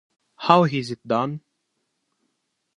How Is It Done?